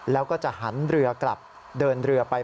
แล้วก็จะหันเรือกลับเดินเรือไป